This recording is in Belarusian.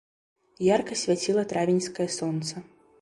Ярка свяціла травеньскае сонца.